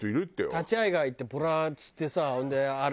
立会川行ってボラ釣ってさほんであれ。